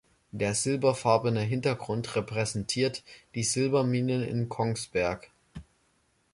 Der silberfarbene Hintergrund repräsentiert die Silberminen in Kongsberg.